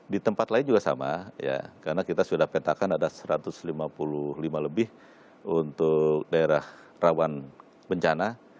di tempat lain juga sama karena kita sudah petakan ada satu ratus lima puluh lima lebih untuk daerah rawan bencana